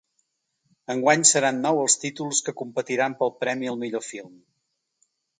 Enguany, seran nou els títols que competiran pel premi al millor film.